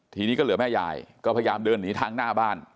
ทีนี้ก็เหลือแม่ยายก็พยายามเดินหนีทางหน้าบ้าน